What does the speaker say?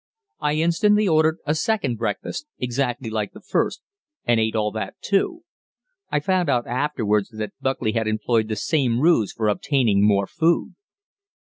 I instantly ordered a second breakfast exactly like the first, and ate all that too. I found out afterwards that Buckley had employed exactly the same ruse for obtaining more food!